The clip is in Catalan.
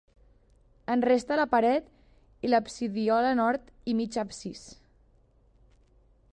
En resta la paret i l'absidiola nord i mig absis.